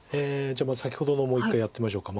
じゃあ先ほどのもう一回やってみましょうか。